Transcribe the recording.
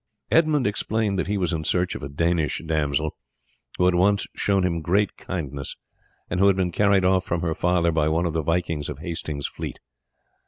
Edmund explained that he was in search of a Danish damsel who had once shown him great kindness, and who had been carried off from her father by one of the vikings of Hasting's fleet.